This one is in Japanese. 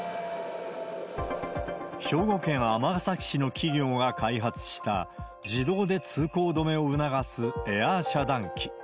兵庫県尼崎市の企業が開発した、自動で通行止めを促すエアー遮断機。